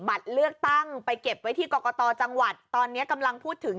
บัตรเลือกตั้งไปเก็บไว้ที่กรนะตอนเนี้ยกำลังพูดถึง